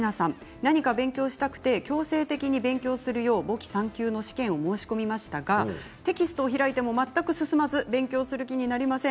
何か勉強したくて強制的に勉強するよう簿記３級の試験を申し込みましたがテキストを開いても全く進まず勉強する気になれません。